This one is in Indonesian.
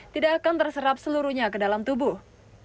tidak akan terserap seluruhnya ke dalam tubuh